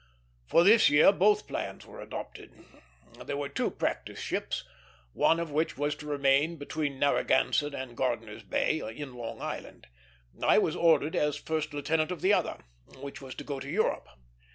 For this year both plans were adopted. There were two practice ships, one of which was to remain between Narragansett and Gardiner's Bay, in Long Island. I was ordered as first lieutenant of the other, which was to go to Europe.